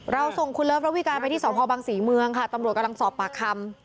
ส่งคุณเลิฟระวิการไปที่สพบังศรีเมืองค่ะตำรวจกำลังสอบปากคำ